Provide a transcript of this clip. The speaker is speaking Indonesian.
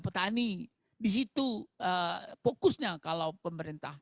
petani disitu fokusnya kalau pemerintah